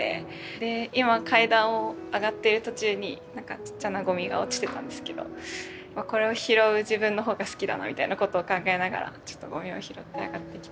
で今階段を上ってる途中になんかちっちゃなゴミが落ちてたんですけどこれを拾う自分のほうが好きだなみたいなことを考えながらちょっとゴミを拾って上がってきて。